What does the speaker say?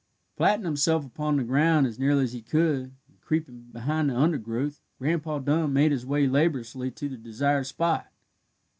Flattening himself upon the ground as nearly as he could, and creeping behind the undergrowth, Grandpa Dun made his way laboriously to the desired spot.